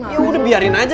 ya udah biarin aja